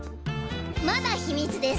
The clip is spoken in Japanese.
まだ秘密です！